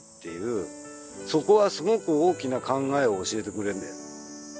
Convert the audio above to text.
そこはすごく大きな考えを教えてくれるんだよ